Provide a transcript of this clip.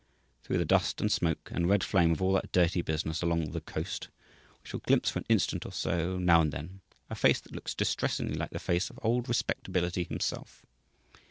Through the dust and smoke and red flame of all that dirty business along "the Coast" we shall glimpse for an instant or so, now and then, a face that looks distressingly like the face of old Respectability himself.